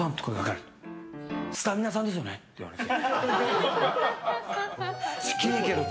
スタミナさんですよね？って言われて。